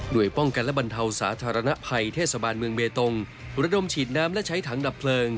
โดยป้องกันและบรรเทาสาธารณภัยเทศบาลเมืองเบตงระดมฉีดน้ำและใช้ถังดับเพลิง